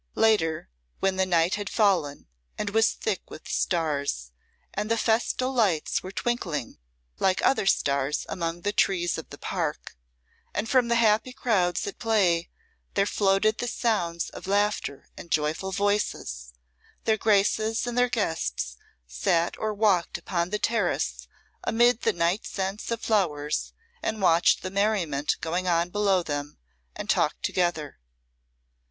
Later, when the night had fallen and was thick with stars, and the festal lights were twinkling like other stars among the trees of the park, and from the happy crowds at play there floated the sounds of laughter and joyful voices, their Graces and their guests sate or walked upon the terrace amid the night scents of flowers and watched the merriment going on below them and talked together.